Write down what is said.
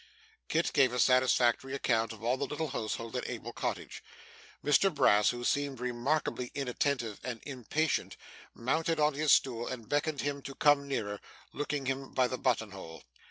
Kit gave a satisfactory account of all the little household at Abel Cottage. Mr Brass, who seemed remarkably inattentive and impatient, mounted on his stool, and beckoning him to come nearer, took him by the button hole.